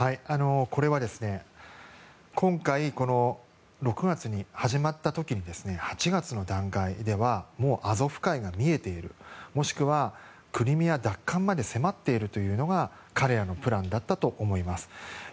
これは今回、６月に始まった時に８月の段階ではもうアゾフ海が見えているもしくは、クリミア奪還まで迫っているというのが彼らのプランだったと思います。